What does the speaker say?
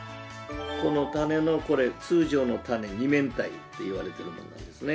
この種のこれ通常の種二面体っていわれているものなんですね。